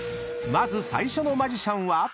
［まず最初のマジシャンは］